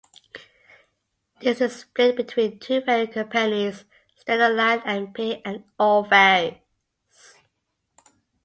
This is split between two ferry companies, Stena Line and P and O Ferries.